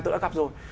tôi đã gặp rồi